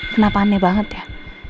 kenapa aneh banget ya